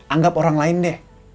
anggap orang lain deh